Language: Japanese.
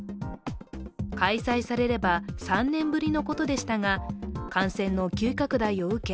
開催されれば３年ぶりのことでしたが感染の急拡大を受け